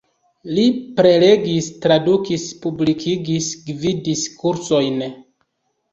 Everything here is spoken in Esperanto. Li prelegis, tradukis, publikigis, gvidis kursojn.